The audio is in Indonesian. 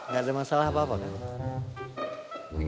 gak ada masalah apa apa